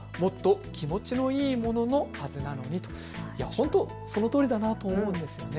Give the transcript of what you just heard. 本当、そのとおりだなと思いますね。